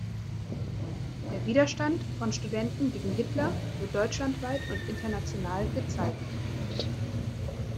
Der Widerstand von Studenten gegen Hitler“ wird deutschlandweit und international gezeigt.